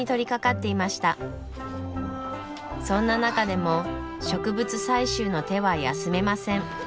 そんな中でも植物採集の手は休めません。